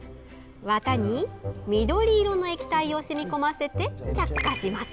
綿に、緑の液体を染み込ませて着火します！